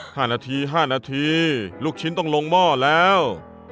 ห้านาทีห้านาทีลูกชิ้นต้องลงหม้อแล้ว